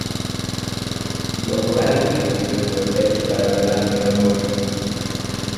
The operatic sequences were staged by Vladimir Rosing.